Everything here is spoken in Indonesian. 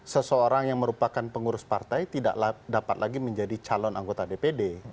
seseorang yang merupakan pengurus partai tidak dapat lagi menjadi calon anggota dpd